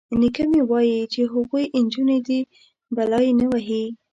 _نيکه مې وايي چې هغوی نجونې دي، بلا يې نه وهي.